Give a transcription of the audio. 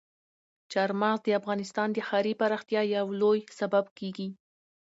چار مغز د افغانستان د ښاري پراختیا یو لوی سبب کېږي.